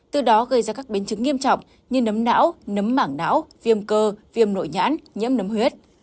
từ đó gây ra các biến chứng nghiêm trọng như nấm não nấm mảng não viêm cơ viêm nội nhãn nhiễm nấm huyết